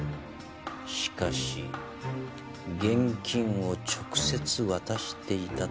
しかし現金を直接渡していたとすれば。